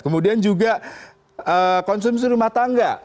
kemudian juga konsumsi rumah tangga